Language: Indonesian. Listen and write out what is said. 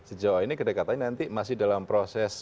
sejauh ini kedekatannya nanti masih dalam proses